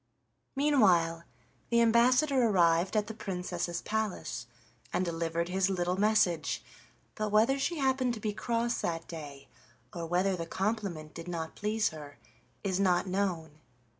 Meanwhile, the ambassador arrived at the Princess's palace and delivered his little message, but whether she happened to be cross that day, or whether the compliment did not please her, is not known.